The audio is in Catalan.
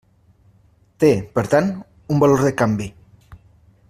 Té, per tant, un valor de canvi.